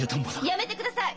やめてください！